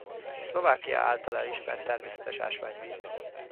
Szlovákia által elismert természetes ásványvíz.